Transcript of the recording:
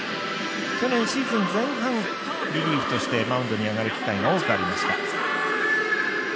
去年シーズン前半リリーフとしてマウンドに上がる機会が多くありました。